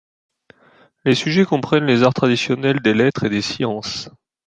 Les sujets comprennent les arts traditionnels, des lettres et des sciences.